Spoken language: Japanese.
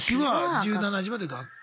１７時まで学校。